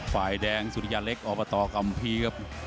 สายแด่งสุริยาเล็กอบตกรรมพีครับ